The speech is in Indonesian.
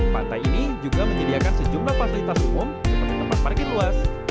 pantai ini juga menyediakan sejumlah fasilitas umum seperti tempat parkir luas